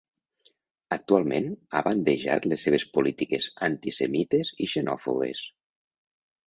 Actualment ha bandejat les seves polítiques antisemites i xenòfobes.